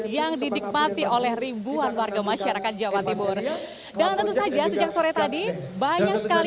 yang didikmati oleh ribuan warga masyarakat jawa timur dan tentu saja sejak sore tadi banyak sekali